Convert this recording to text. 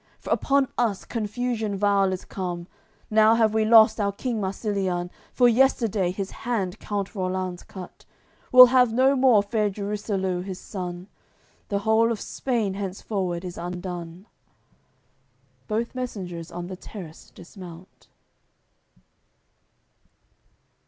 For upon us confusion vile is come, Now have we lost our king Marsiliun, For yesterday his hand count Rollanz cut; We'll have no more Fair Jursaleu, his son; The whole of Spain henceforward is undone." Both messengers on the terrace dismount.